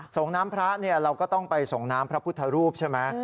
ส่งน้ำพระเนี่ยเราก็ต้องไปส่งน้ำพระพุทธรูปใช่ไหม